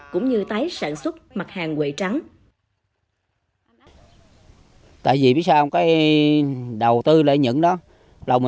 mặc hàng quậy trắng